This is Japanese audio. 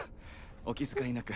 お気遣いなく。